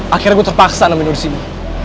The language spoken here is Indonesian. akhirnya gue terpaksa nemenin urusimu